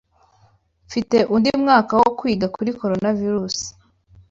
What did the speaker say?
Mfite undi mwaka wo kwiga kuri Coronavirusi.